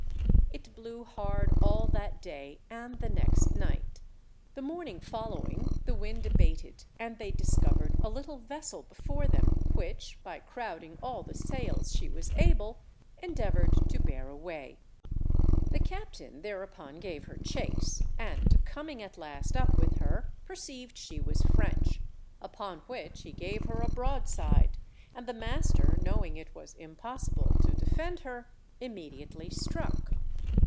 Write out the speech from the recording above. It blew hard all that day and the next night; the morning following the wind abated and they discovered a little vessel before them which, by crowding all the sails she was able, endeavoured to bear away. The captain thereupon gave her chase, and coming at last up with her, perceived she was French, upon which he gave her a broadside, and the master knowing it was impossible to defend her, immediately struck.